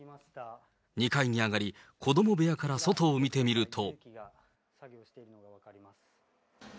２階に上がり、子ども部屋から外を見てみると。